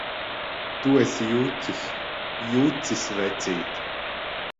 Tu esi jucis! Jucis, vecīt!